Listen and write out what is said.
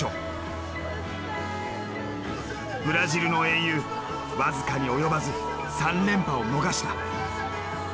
ブラジルの英雄僅かに及ばず３連覇を逃した。